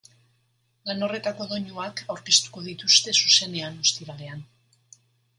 Lan horretako doinuak aurkeztuko dituzte zuzenean ostiralean.